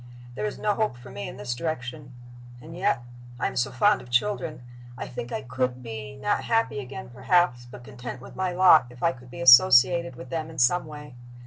There is no hope for me in this direction. And yet I am so fond of children! I think I could be, not happy again, perhaps, but content with my lot, if I could be associated with them in some way.